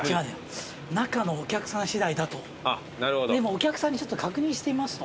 お客さんに確認してみますと。